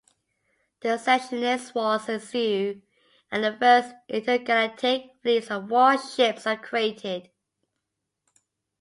The Secessionist Wars ensue and the first intergalactic fleets of warships are created.